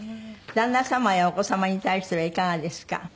「旦那様やお子様に対してはいかがですか？」